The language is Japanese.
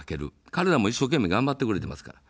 彼らも一生懸命、頑張ってくれてますから。